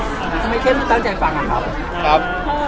ทำไมเข้มใจฟังคะครับ